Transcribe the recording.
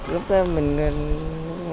lúc đó mình rất là vui